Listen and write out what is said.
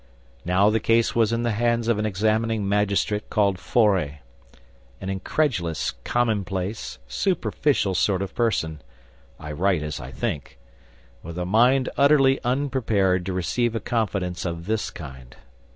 Now the case was in the hands of an examining magistrate called Faure, an incredulous, commonplace, superficial sort of person, (I write as I think), with a mind utterly unprepared to receive a confidence of this kind.